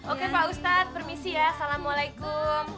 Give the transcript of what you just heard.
oke pak ustadz permisi ya assalamualaikum